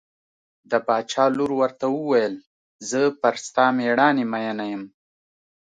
د باچا لور ورته وویل زه پر ستا مېړانې مینه یم.